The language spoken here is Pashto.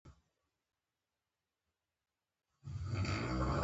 د پلار زړښت ته درناوی اړین دی.